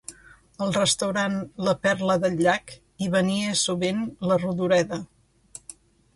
Al restaurant La perla del llac, hi venia sovint la Rodoreda.